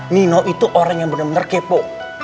nino itu orang yang bener bener kepo